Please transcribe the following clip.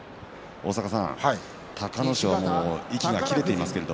隆の勝は息が切れていました。